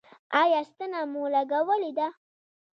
ایا ستنه مو لګولې ده؟